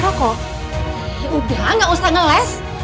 narrator terseorang nggak mau ressh wareng henry